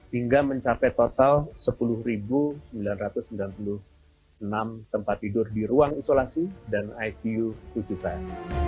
hingga mencapai total sepuluh sembilan ratus sembilan puluh enam tempat tidur di ruang isolasi dan icu tujuh tn